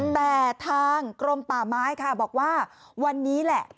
แต่ทางกรมป่าไม้ค่ะบอกว่าวันนี้แหละ